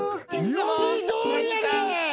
読みどおりやで！